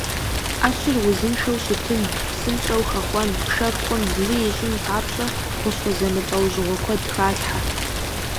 Ӏэщыр узыншэу щытын, псынщӀэу хэхъуэн, пшэр хъун, лы ищӀын папщӀэ, хущхъуэ зэмылӀэужьыгъуэ куэд халъхьэ.